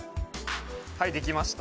はい出来ました！